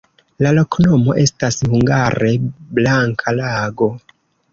La loknomo estas hungare: blanka-lago.